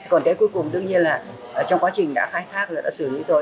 còn cái cuối cùng đương nhiên là trong quá trình đã khai thác là đã xử lý rồi